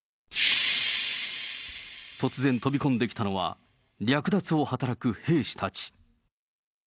突然飛び込んできたのは、略奪を働く兵士たち。